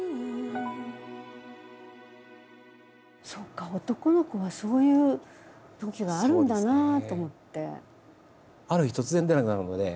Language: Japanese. そっか男の子はそういうときがあるんだなあと思って。